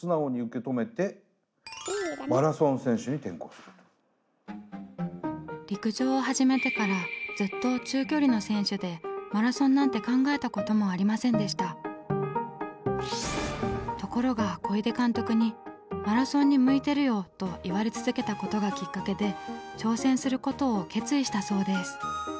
さあそして陸上を始めてからずっと中距離の選手でところが小出監督に「マラソンに向いてるよ」と言われ続けたことがきっかけで挑戦することを決意したそうです。